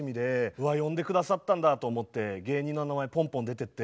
うわ呼んで下さったんだと思って芸人の名前ポンポン出てて。